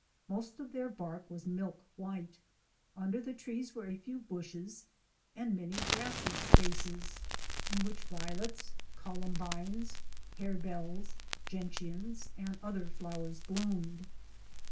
Most of their bark was milk white. Under the trees were a few bushes and many grassy spaces in which violets, columbines, harebells, gentians, and other flowers bloomed.